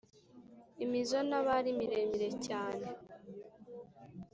imizonobari miremire cyane,